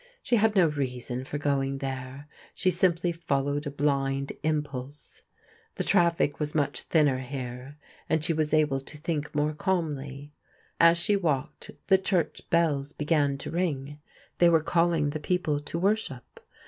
She had no reason for going there; she simply followed a blind im pulse. The traffic was much thinner here, and she was able to think more calmly. As she walked, the church bells began to ring. They were calling the people to worship.